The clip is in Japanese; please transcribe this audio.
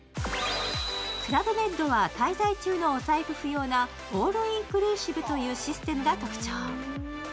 クラブメッドは滞在中のお財布不要なオールインクルーシブというシステムが特徴。